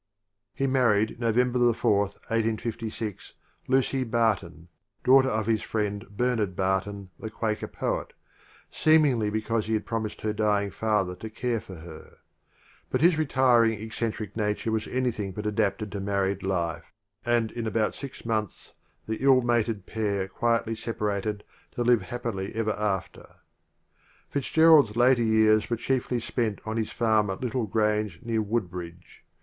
He married, November 4, 1856, Lucy Barton, daughter of his friend Bernard Barton the Quaker poet, seemingly because he had promised her dying father to care for her ; but his retiring, eccentric nature was anything but adapted to married life, and in about six months the ill mated pair quietly separated to live happily ever after. FitzGerald's later years were chiefly spent on his farm of Littlegrange near Wood bridge.